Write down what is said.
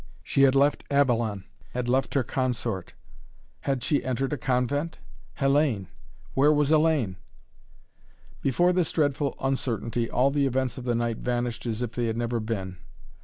She had left Avalon had left her consort. Had she entered a convent? Hellayne where was Hellayne? Before this dreadful uncertainty all the events of the night vanished as if they had never been.